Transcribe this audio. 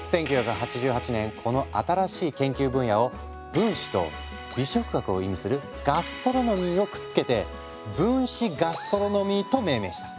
１９８８年この新しい研究分野を分子と美食学を意味するガストロノミーをくっつけて「分子ガストロノミー」と命名した。